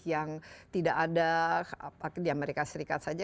yang tidak ada di amerika serikat saja